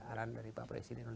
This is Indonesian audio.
aran dari pak presiden